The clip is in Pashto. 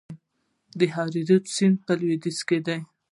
د هریرود سیند په لویدیځ کې دی